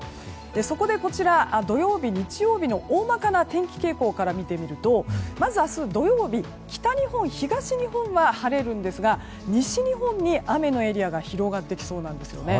そこで、土曜日日曜日の大まかな天気傾向から見てみると、まず明日土曜日北日本、東日本は晴れるんですが西日本に雨のエリアが広がってきそうなんですよね。